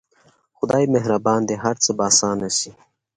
خداى مهربان دى هر څه به اسانه سي.